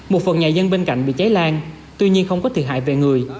một phần nhà dân bên cạnh bị cháy lan tuy nhiên không có thiệt hại về người